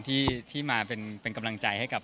ที่มาเป็นกำลังใจให้กับ